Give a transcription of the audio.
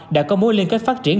đã có mối liên kết phát triển